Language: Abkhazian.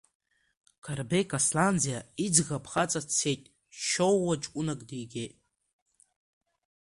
Қарбеи Касланӡиа иӡӷаб хаҵа дцеит, Шьоууа ҷкәынак дигеит.